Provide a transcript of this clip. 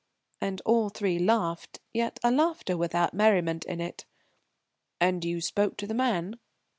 And all three laughed, yet a laughter without merriment in it. "And you spoke to the man?"